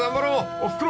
［おふくろ